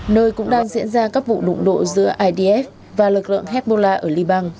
nơi cũng đang diễn ra các vụ đụng độ giữa idf và lực lượng hezbollah ở liban